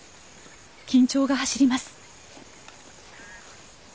緊張が走ります。